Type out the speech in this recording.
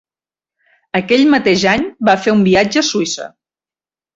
Aquell mateix any va fer un viatge a Suïssa.